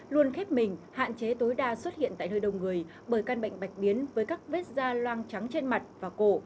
luôn khép mình hạn chế tối đa xuất hiện tại nơi đông người bởi căn bệnh bạch biến với các vết da loang trắng trên mặt và cổ